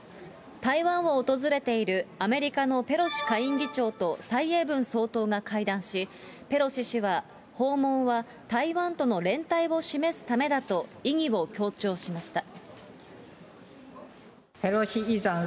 台湾を訪れているアメリカのペロシ下院議長と蔡英文総統が会談し、ペロシ氏は、訪問は台湾との連帯を示すためだと意義を強調しました。